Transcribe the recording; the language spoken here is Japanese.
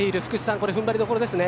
これはふんばりどころですね。